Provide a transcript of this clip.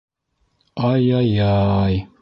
Ай-яй-яй...